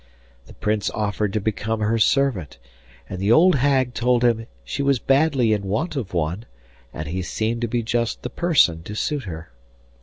The Prince offered to become her servant, and the old hag told him she was badly in want of one, and he seemed to be just the person to suit her.